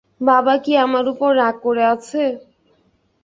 বাবা কি আমার উপর রাগ করে আছে?